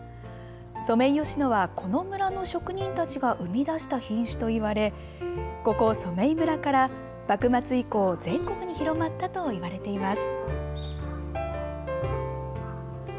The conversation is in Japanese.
ソメイヨシノはこの村の職人たちが生み出した品種といわれここ染井村から幕末以降、全国に広まったといわれています。